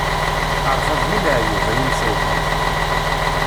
Rrxa d bu laɛyub,a yimsewwqen!